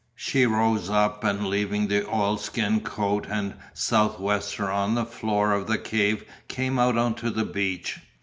She rose up and leaving the oilskin coat and sou'wester on the floor of the cave came out on to the beach.